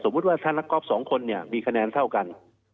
สมมติว่านักก๊อป๒คนเนี่ยมีคะแนนเท่ากัน